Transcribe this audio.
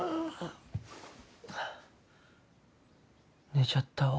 寝ちゃったわ。